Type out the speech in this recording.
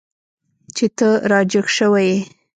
چې ته را جګ شوی یې.